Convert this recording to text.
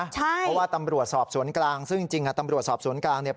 เพราะว่าตำรวจสอบสวนกลางซึ่งจริงตำรวจสอบสวนกลางเนี่ย